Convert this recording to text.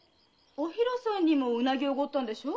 おひろさんにもウナギおごったんでしょ？